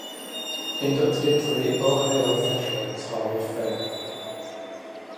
Inducted into the Ohio Veterans Hall of Fame.